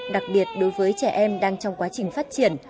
đặc biệt đối với trẻ em đang trong quá trình phát triển